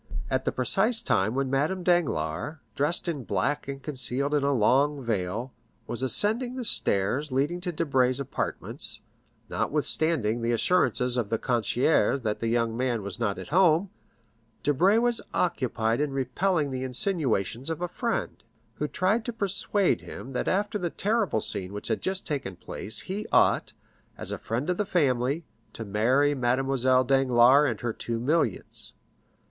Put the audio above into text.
At the precise time when Madame Danglars, dressed in black and concealed in a long veil, was ascending the stairs leading to Debray's apartments, notwithstanding the assurances of the concierge that the young man was not at home, Debray was occupied in repelling the insinuations of a friend, who tried to persuade him that after the terrible scene which had just taken place he ought, as a friend of the family, to marry Mademoiselle Danglars and her two millions.